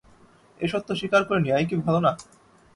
এ সত্য স্বীকার করে নেয়াই কি ভালো না।